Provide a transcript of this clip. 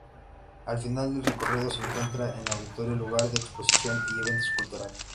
Al final del recorrido se encuentra un Auditorio, lugar de exposiciones y eventos culturales.